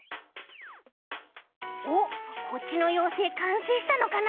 おっこっちの妖精かんせいしたのかな？